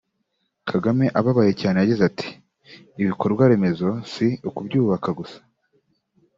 Kagame ababaye cyane yagize ati “Ibikorwa remezo si ukubyubaka gusa